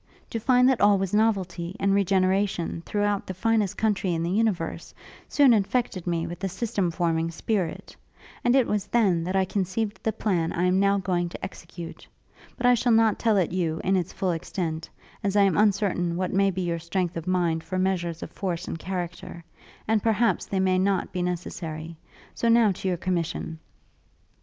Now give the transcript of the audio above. To find that all was novelty and regeneration throughout the finest country in the universe, soon infected me with the system forming spirit; and it was then that I conceived the plan I am now going to execute; but I shall not tell it you in its full extent, as I am uncertain what may be your strength of mind for measures of force and character; and perhaps they may not be necessary. So now to your commission.